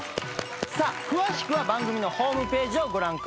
さあ詳しくは番組のホームページをご覧ください。